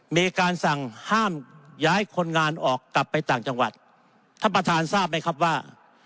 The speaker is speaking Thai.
มีการสั่งห้ามย้ายคนงานออกกลับไปต่างจังหวัดท่านประธานทราบไหมครับว่า